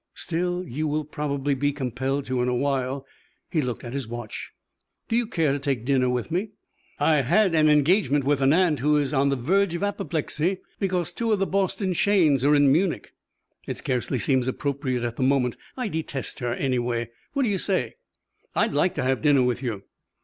Still, you will probably be compelled to in a while." He looked at his watch. "Do you care to take dinner with me? I had an engagement with an aunt who is on the verge of apoplexy because two of the Boston Shaynes are in Munich. It scarcely seems appropriate at the moment. I detest her, anyway. What do you say?" "I'd like to have dinner with you."